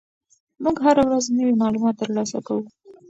موږ هره ورځ نوي معلومات ترلاسه کوو.